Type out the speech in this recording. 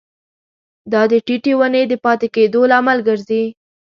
دا د ټیټې ونې د پاتې کیدو لامل ګرځي.